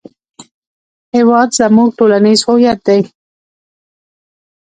هېواد زموږ ټولنیز هویت دی